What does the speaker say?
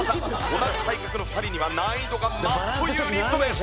同じ体格の２人には難易度が増すというリフトです。